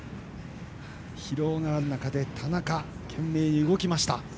疲労がある中で田中、懸命に動きました。